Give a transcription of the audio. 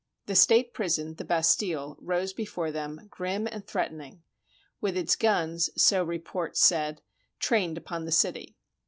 The state prison, the Bastille, rose before them, grim and threatening, with its guns, so report said, trained upon the city.